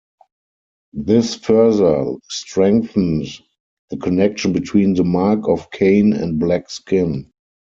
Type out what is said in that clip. This further strengthened the connection between the mark of Cain and black skin.